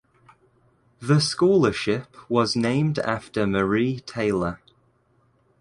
The scholarship was named after Marie Taylor.